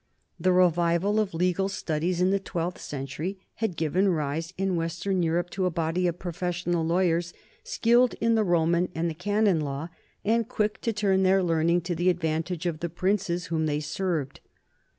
The revival of legal studies in the twelfth century had given rise in western Europe to a body of professional lawyers, skilled in the Roman and the canon law, and quick to turn their learning to the advantage of the princes whom they served.